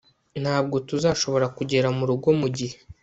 ntabwo tuzashobora kugera murugo mugihe